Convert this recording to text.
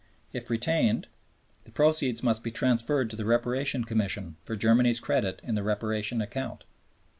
If retained, the proceeds must be transferred to the Reparation Commission for Germany's credit in the Reparation account.